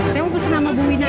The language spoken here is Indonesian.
saya mau pesen sama bu ina aja